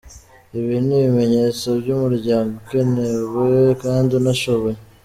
Ibi ni ibimenyetso by’umuryango ukenewe kandi unashoboye.